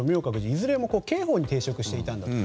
いずれも刑法に抵触していたと。